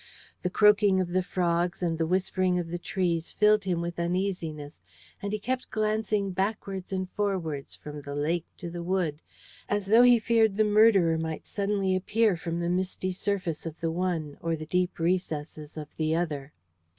The croaking of the frogs and the whispering of the trees filled him with uneasiness, and he kept glancing backwards and forwards from the lake to the wood, as though he feared the murderer might suddenly appear from the misty surface of the one or the dim recesses of the other.